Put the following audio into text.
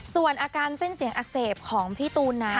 ส่วนอาการเส้นเสียงอักเสบของพี่ตูนนะ